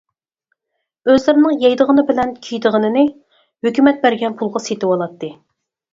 ئۆزلىرىنىڭ يەيدىغىنى بىلەن كىيىدىغىنىنى «ھۆكۈمەت» بەرگەن پۇلغا سېتىۋالاتتى.